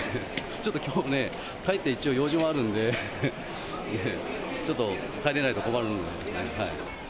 ちょっときょうもね、帰って一応、用事もあるんで、ちょっと、帰れないと困るんですね。